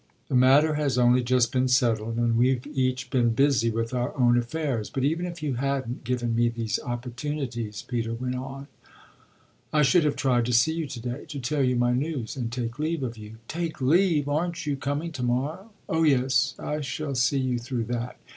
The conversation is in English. "The matter has only just been settled and we've each been busy with our own affairs. But even if you hadn't given me these opportunities," Peter went on, "I should have tried to see you to day, to tell you my news and take leave of you." "Take leave? Aren't you coming to morrow?" "Oh yes, I shall see you through that.